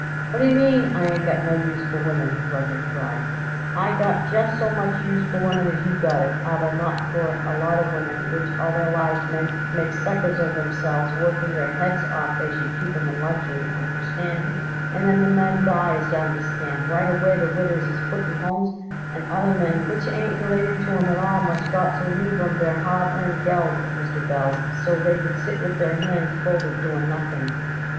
"What d'ye mean, I ain't got no use for women?" Rudnik cried. "I got just so much use for women as you got it, aber not for a lot of women which all their lives men make suckers of themselves working their heads off they should keep 'em in luxury, understand me, and then the men dies, y'understand, right away the widders is put in homes and other men which ain't related to 'em at all must got to leave 'em their hard earned Geld, Mr. Belz, so they could sit with their hands folded doing nothing."